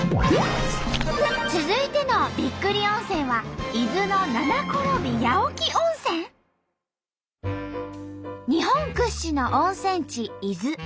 続いてのびっくり温泉は日本屈指の温泉地伊豆。